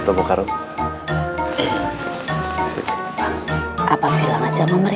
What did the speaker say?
setelah saya pelajari